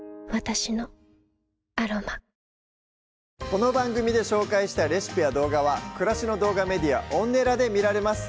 この番組で紹介したレシピや動画は暮らしの動画メディアＯｎｎｅｌａで見られます